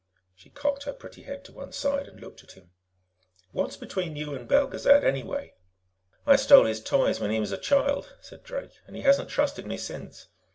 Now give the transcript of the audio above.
She cocked her pretty head to one side and looked at him. "What's between you and Belgezad, anyway?" "I stole his toys when he was a child," said Drake, "and he hasn't trusted me since.